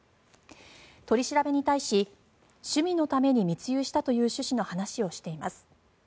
取り調べに対し趣味のために密輸したという趣旨の話をしています。